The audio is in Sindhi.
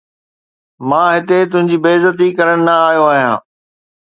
مان هتي تنهنجي بي عزتي ڪرڻ نه آيو آهيان